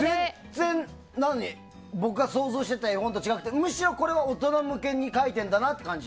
僕が想像していた絵本と違ってむしろこれは大人向けに描いてるんだなって感じ